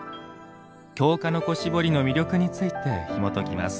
京鹿の子絞りの魅力についてひもときます。